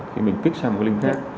khi mình kích sang một cái link khác